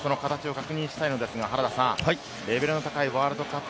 その形を確認にしたいんですが、レベルの高いワールドカップ。